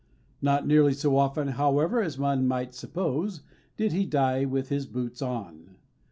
Not nearly so often, however, as one might suppose, did he die with his boots on.